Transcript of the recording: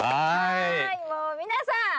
もう皆さん。